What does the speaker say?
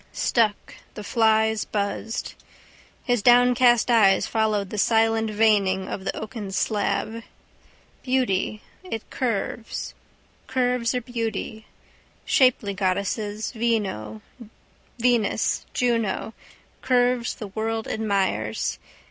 Stuck, the flies buzzed. His downcast eyes followed the silent veining of the oaken slab. Beauty: it curves: curves are beauty. Shapely goddesses, Venus, Juno: curves the world admires.